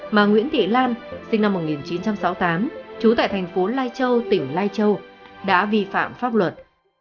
mà nguyễn thị lan sinh năm một nghìn chín trăm sáu mươi tám trú tại thành phố lai châu tỉnh lai châu đã vi phạm pháp luật